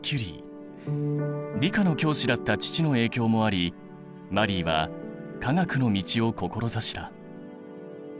理科の教師だった父の影響もありマリーは科学の道を志した。